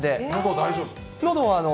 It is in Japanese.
大丈夫？